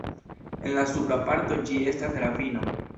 En la supra parto ĝi estas ravino.